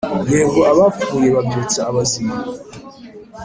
yego abapfuye babyutsa abazima